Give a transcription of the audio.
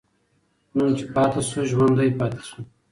نوم چې پاتې سو، ژوندی پاتې سو.